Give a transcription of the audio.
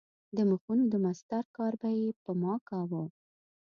د مخونو د مسطر کار به یې په ما کاوه.